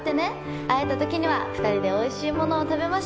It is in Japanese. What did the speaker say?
会えた時には２人でおいしいものを食べましょう。